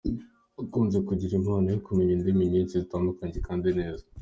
Akunze kugira impano yo kumenya indimi nyinshi zitandukanye kandi neza.